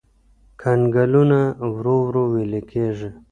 کنګلونه ورو ورو ويلي کېږي.